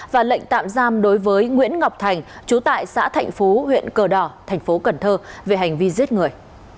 và lệnh tạm giam đối với nguyễn ngọc thành trú tại xã thành phố huyện cờ đỏ thành phố cần thơ về hành vi giết người